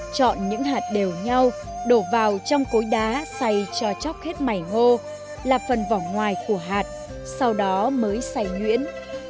chọn những hạt đều nhau đổ vào trong cối đá xây cho chóc hết mày ngô là phần vỏ ngoài của hạt sau đó mới xay nhuyễn